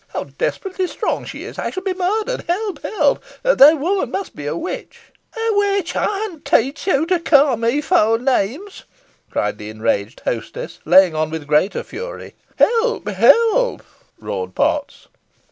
"How desperately strong she is! I shall be murdered! Help! help! The woman must be a witch." "A witch! Ey'n teach yo' to ca' me feaw names," cried the enraged hostess, laying on with greater fury. "Help! help!" roared Potts.